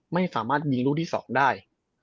ไม่สามารถยิงลูกที่๒ได้